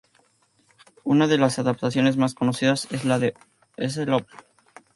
Una de las adaptaciones más conocidas es el Op.